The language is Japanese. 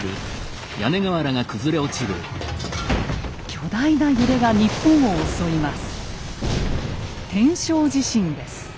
巨大な揺れが日本を襲います。